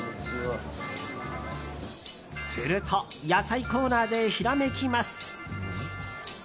すると、野菜コーナーでひらめきます。